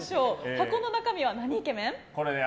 箱の中身はなにイケメン？